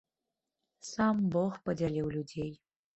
Сам бог падзяліў людзей.